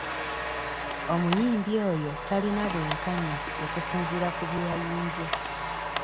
Omuyimbi oyo talina bwenkanya okusinziira ku bye yayimbye.